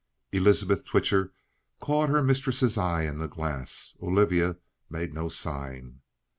Elizabeth Twitcher caught her mistress's eye in the glass. Olivia made no sign.